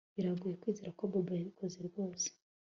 Biragoye kwizera ko Bobo yabikoze rwose